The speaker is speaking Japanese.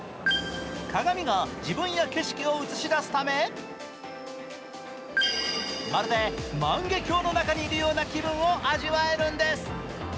鏡が自分や景色を映し出すためまるで万華鏡の中にいるような気分を味わえるんです。